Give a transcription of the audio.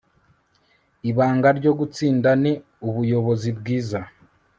ibanga ryo gutsinda ni ubuyobozi bwiza